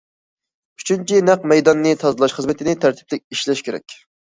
ئۈچىنچى، نەق مەيداننى تازىلاش خىزمىتىنى تەرتىپلىك ئىشلەش كېرەك.